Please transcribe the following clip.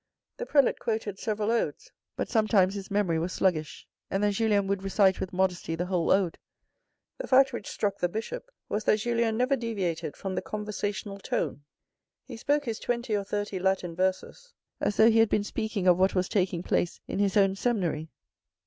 The prelate quoted several odes, but sometimes his memory was sluggish, and then Julien would recite with modesty the whole ode : the fact which struck the bishop was that Julien never deviated from the conversational tone. He spoke his twenty or thirty Latin verses as though he had been speaking of what was taking place in his own seminary.